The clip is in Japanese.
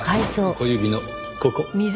小指のここ。